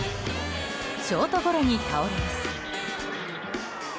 ショートゴロに倒れます。